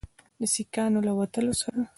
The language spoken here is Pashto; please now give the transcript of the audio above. د سیکانو له وتلو سره